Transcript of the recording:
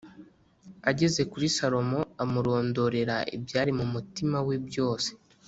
Ageze kuri Salomo amurondorera ibyari mu mutima we byose